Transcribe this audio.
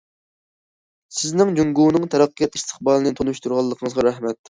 سىزنىڭ جۇڭگونىڭ تەرەققىيات ئىستىقبالىنى تونۇشتۇرغانلىقىڭىزغا رەھمەت.